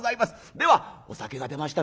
ではお酒が出ました